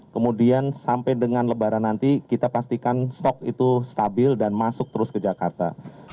kemudian sampai dengan lebaran nanti kita pastikan stok itu stabil dan masuk terus ke jakarta